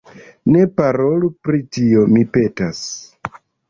Ne parolu pri tio, mi petas.